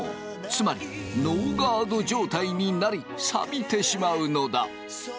つまりノーガード状態になりさびてしまうのだ。